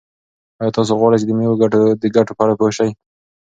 آیا تاسو غواړئ چې د مېوو د ګټو په اړه پوه شئ؟